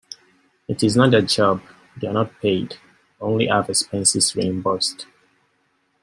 It is not their job, they are not paid, only have expenses reimbursed.